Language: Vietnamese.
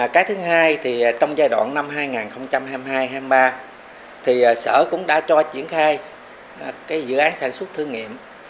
cái thứ hai thì trong giai đoạn năm hai nghìn hai mươi hai hai nghìn hai mươi ba thì sở cũng đã cho triển khai cái dự án sản xuất thương nghiệm